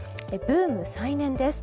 ブーム再燃です。